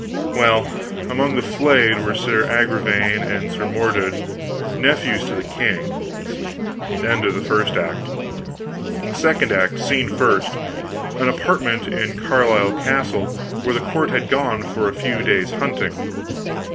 Well, among the flayed were Sir Agravaine and Sir Mordred, nephews to the king. End of the first act. Act second, scene first, an apartment in Carlisle castle, where the court had gone for a few days' hunting.